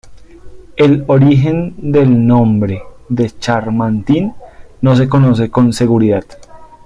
El origen del nombre de Chamartín no se conoce con seguridad.